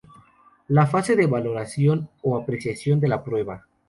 La fase de valoración o apreciación de la prueba.